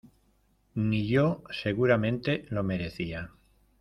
Ni yo seguramente lo merecía.